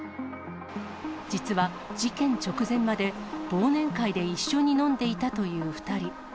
実は、事件直前まで忘年会で一緒に飲んでいたという２人。